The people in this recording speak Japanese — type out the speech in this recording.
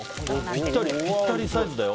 ぴったりサイズだよ。